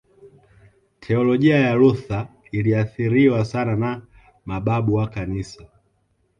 Teolojia ya Luther iliathiriwa sana na mababu wa kanisa